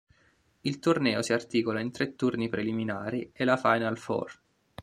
Il torneo si articola in tre turni preliminari e la final four.